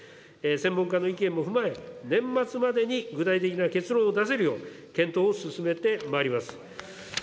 専門家の意見も踏まえ、年末までに具体的な結論を出せるよう検討を進めてまいります。